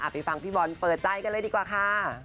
ไปฟังพี่บอลเปิดใจกันเลยดีกว่าค่ะ